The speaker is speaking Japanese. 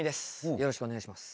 よろしくお願いします。